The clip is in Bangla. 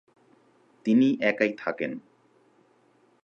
তিনি একাই থাকেন।